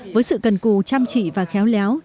với sự cần cù chăm chỉ và khéo léo